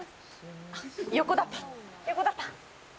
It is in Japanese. あっ、横だった、横だった。